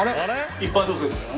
一般女性ですよね。